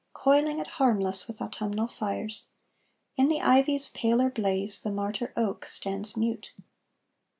Coiling it, harmless, with autumnal fires; In the ivy's paler blaze the martyr oak stands mute.